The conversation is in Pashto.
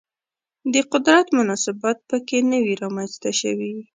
د قدرت مناسبات په کې نه وي رامنځته شوي